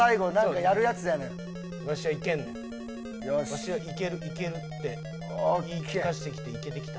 「わしはいけるいける」って言い聞かせてきていけてきた。